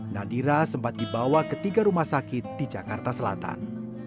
nadira sempat dibawa ke tiga rumah sakit di jakarta selatan